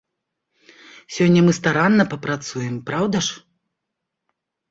Сёння мы старанна папрацуем, праўда ж?